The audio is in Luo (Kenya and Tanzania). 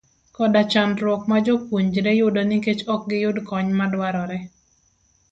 koda chandruok ma jopuonjre yudo nikech ok giyud kony madwarore.